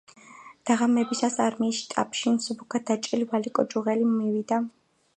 დაღამებისას არმიის შტაბში მსუბუქად დაჭრილი ვალიკო ჯუღელი მივიდა.